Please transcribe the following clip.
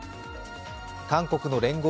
韓国の聯合